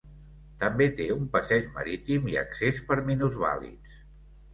També té un passeig marítim i accés per minusvàlids.